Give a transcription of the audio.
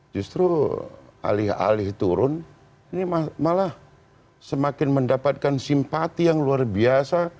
justru alih alih turun ini malah semakin mendapatkan simpati yang luar biasa